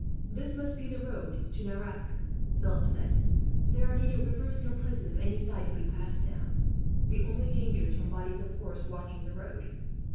"This must be the road to Nerac," Philip said. "There are neither rivers nor places of any size to be passed, now. The only danger is from bodies of horse watching the road."